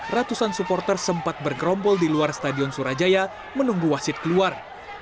ratusan supporter sempat bergerombol di luar stadion surajaya menunggu wasit keluar